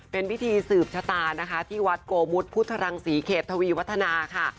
เป็นพิธีสืบชะตานะคะที่วัดโกมุทพุทธรังศรีเขตทวีวัฒนาค่ะ